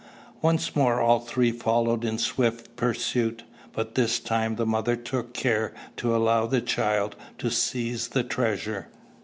Once more all three followed in swift pursuit; but this time the mother took care to allow the child to seize the treasure.